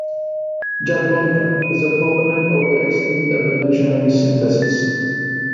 Jablonka is a proponent of the extended evolutionary synthesis.